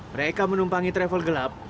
mereka menumpangi travel gelap